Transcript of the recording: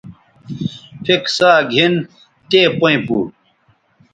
پِھک ساگِھن تے پئیں پو